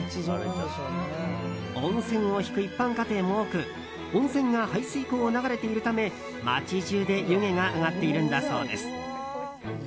温泉を引く一般家庭も多く温泉が排水溝を流れているため街中で湯気が上がっているんだそうです。